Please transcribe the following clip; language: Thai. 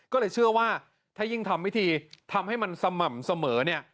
ก็เลยเชื่อว่าถ้ายิ่งทำพิธีทำให้มันสม่ำเสมอเนี่ย